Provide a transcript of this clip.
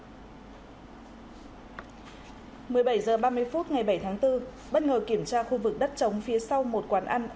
một mươi bảy h ba mươi phút ngày bảy tháng bốn bất ngờ kiểm tra khu vực đất trống phía sau một quán ăn